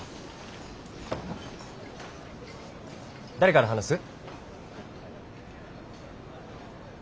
誰から話す？